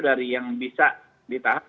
dari yang bisa ditahan